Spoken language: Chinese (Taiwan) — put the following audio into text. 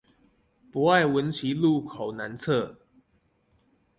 博愛文奇路口南側